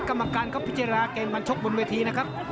กรรมการก็พิจารณาเกณฑ์บันชกบนเวทีนะครับ